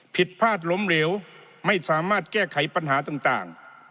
ผิดพลาดล้มเหลวไม่สามารถแก้ไขปัญหาต่าง